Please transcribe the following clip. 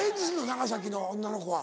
長崎の女の子は。